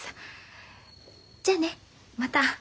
じゃあねまた。